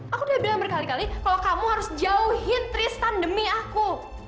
aku udah bilang berkali kali kalau kamu harus jauhi tristan demi aku